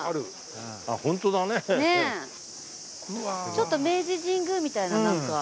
ちょっと明治神宮みたいななんか。